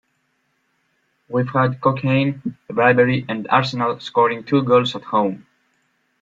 We've had cocaine, bribery and Arsenal scoring two goals at home.